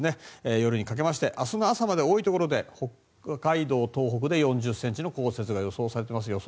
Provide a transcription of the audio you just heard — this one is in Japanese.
夜にかけまして明日の朝まで多いところで北海道、東北で４０ｃｍの降雪が予想されています予想